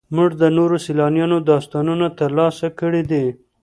موږ د نورو سیلانیانو داستانونه ترلاسه کړي دي.